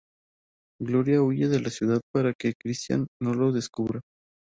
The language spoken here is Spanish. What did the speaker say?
Gloria huye de la ciudad para que Christian no lo descubra.